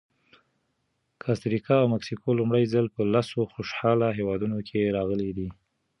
کاستریکا او مکسیکو لومړی ځل په لسو خوشحاله هېوادونو کې راغلي دي.